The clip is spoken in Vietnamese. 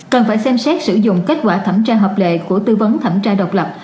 cần phải xem xét sử dụng kết quả thẩm tra hợp lệ của tư vấn thẩm tra độc lập